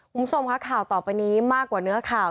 คุณผู้ชมค่ะข่าวต่อไปนี้มากกว่าเนื้อข่าว